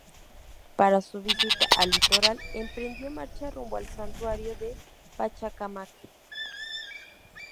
Para su visita al litoral emprendió marcha rumbo al santuario de Pachacámac.